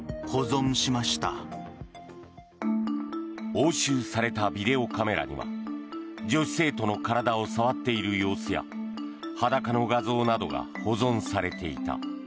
押収されたビデオカメラには女子生徒の体を触っている様子や裸の画像などが保存されていた。